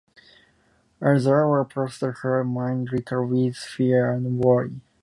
As the hours passed, her mind raced with fear and worry.